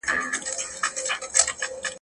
قافلې د سوداگرو يې لوټلې.